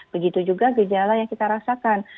begitu juga gejala yang kita rasakan